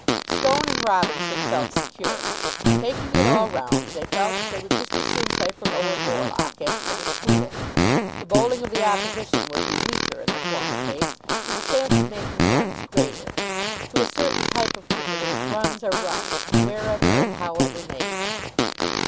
Stone and Robinson felt secure. Taking it all round, they felt that they would just as soon play for Lower Borlock as for the school. The bowling of the opposition would be weaker in the former case, and the chance of making runs greater. To a certain type of cricketer runs are runs, wherever and however made.